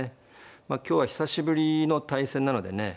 まあ今日は久しぶりの対戦なのでね